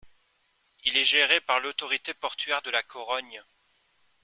Il est géré par l'autorité portuaire de La Corogne.